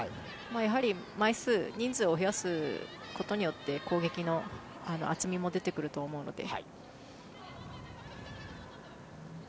やはり枚数、人数を増やすことによって攻撃の厚みも出てくると思うので。